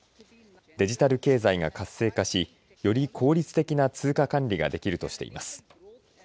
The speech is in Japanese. デジタル経済が活性化しより効率的な通貨管理ができるとしています。